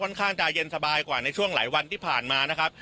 ข้างจะเย็นสบายกว่าในช่วงหลายวันที่ผ่านมานะครับ